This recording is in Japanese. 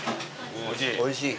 おいしい？